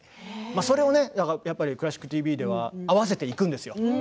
それを「クラシックＴＶ」では合わせていくんです。